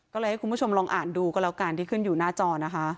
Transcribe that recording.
ก็เลยให้คุณผู้ชมลองอ่านดูก็แล้วกันที่ขึ้นอยู่หน้าจอนะคะ